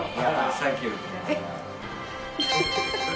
サンキュー。